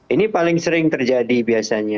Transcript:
ini paling sering terjadi biasanya